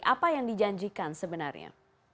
apa yang dijanjikan sebenarnya